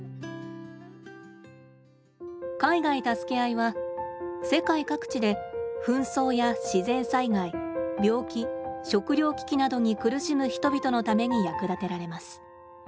「海外たすけあい」は世界各地で紛争や自然災害病気食料危機などに苦しむ人々のために役立てられます。